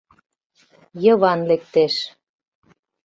Йыван лектеш.